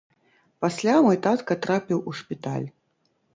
Пасля мой татка трапіў у шпіталь.